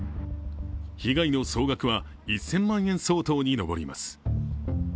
被害の総額は１０００万円相当に上ります。